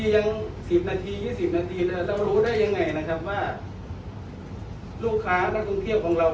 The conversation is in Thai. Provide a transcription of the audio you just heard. ยัง๑๐นาที๒๐นาทีเรารู้ได้ยังไงนะครับว่าลูกค้านักท่องเที่ยวของเรา